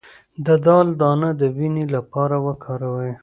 د دال دانه د وینې لپاره وکاروئ